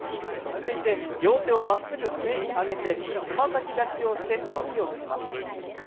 続いて、両手をまっすぐ上に上げて、つま先立ちをして伸びをします。